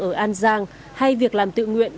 ở an giang hay việc làm tự nguyện